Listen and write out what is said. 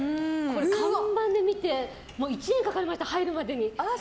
看板で見て１年かかりました入るまでに。